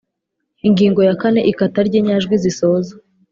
Ingingo ya kane Ikata ry inyajwi zisoza